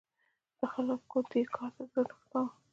د خلکو دې کار ته زړه نه ښه کاوه.